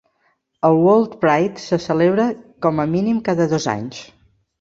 El WorldPride se celebra com a mínim cada dos anys.